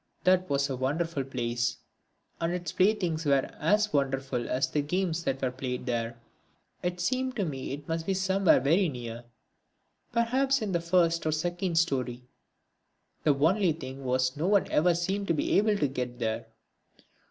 That was a wonderful place, and its playthings were as wonderful as the games that were played there. It seemed to me it must be somewhere very near perhaps in the first or second storey; the only thing was one never seemed to be able to get there.